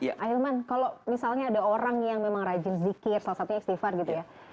ahilman kalau misalnya ada orang yang memang rajin zikir salah satunya istighfar gitu ya